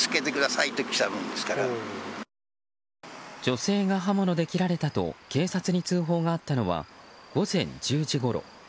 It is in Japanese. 女性が刃物で切られたと警察に通報があったのは午前１０時ごろ。